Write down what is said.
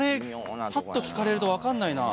ぱっと聞かれると分かんないな。